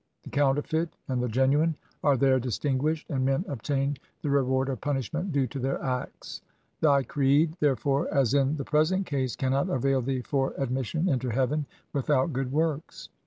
The counterfeit and the genuine are there distinguished, and men obtain the reward or punishment due to their acts. Thy creed, therefore, as in the present case, cannot avail thee for admission into heaven without good works.